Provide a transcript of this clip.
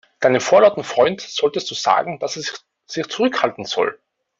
Deinem vorlauten Freund solltest du sagen, dass er sich zurückhalten soll.